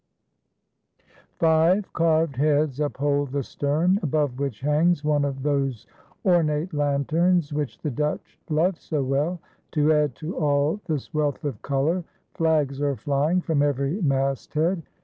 Five carved heads uphold the stern, above which hangs one of those ornate lanterns which the Dutch love so well. To add to all this wealth of color, flags are flying from every masthead.